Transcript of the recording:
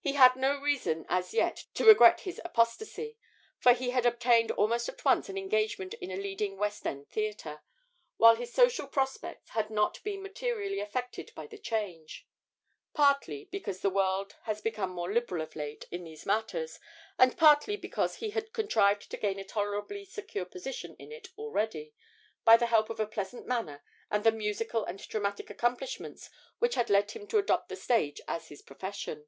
He had had no reason as yet to regret his apostasy, for he had obtained almost at once an engagement in a leading West end theatre, while his social prospects had not been materially affected by the change; partly because the world has become more liberal of late in these matters, and partly because he had contrived to gain a tolerably secure position in it already, by the help of a pleasant manner and the musical and dramatic accomplishments which had led him to adopt the stage as his profession.